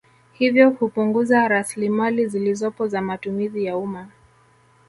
Hivyo hupunguza raslimali zilizopo za matumizi ya umma